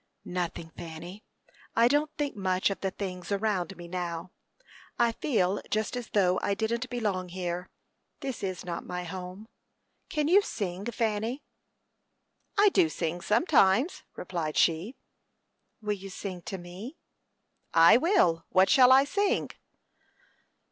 "Nothing, Fanny. I don't think much of the things around me now. I feel just as though I didn't belong here. This is not my home. Can you sing, Fanny?" "I do sing, sometimes," replied she. "Will you sing to me?" "I will; what shall I sing?"